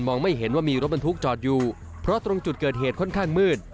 ไม่เห็นว่ามีรถบรรทุกจอดอยู่เพราะตรงจุดเกิดเหตุค่อนข้างมืด